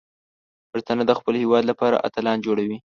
پښتانه د خپل هیواد لپاره اتلان جوړوي.